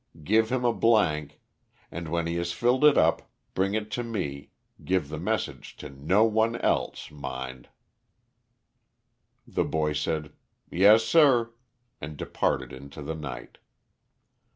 Give him a blank, and when he has filled it up, bring it to me; give the message to no one else, mind." The boy said "Yes, sir," and departed into the night.